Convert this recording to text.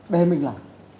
đề mình là